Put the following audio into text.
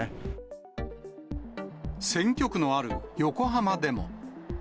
選挙区のある横浜でも。